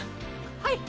はい！